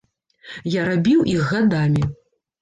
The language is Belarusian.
Я рабіў іх гадамі.